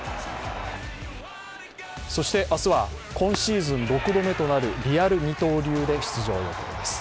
そして明日は今シーズン６度目となるリアル二刀流で出場予定です。